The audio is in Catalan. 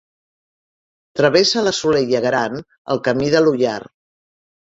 Travessa la Solella Gran el Camí de l'Ullar.